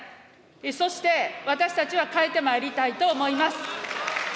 そして私たちは変えてまいりたいと思います。